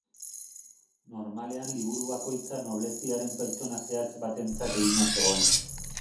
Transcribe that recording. Normalean liburu bakoitza nobleziaren pertsona zehatz batentzat egina zegoen.